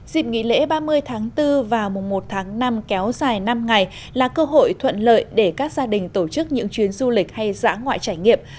dịp nghỉ lễ ba mươi tháng bốn và mùa một tháng năm kéo dài năm ngày là cơ hội thuận lợi để các gia đình tổ chức những chuyến du lịch hay giã ngoại trải nghiệm